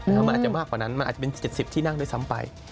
มันอาจจะมากกว่านั้นมันอาจจะเป็น๗๐ที่นั่งด้วยซ้ำไป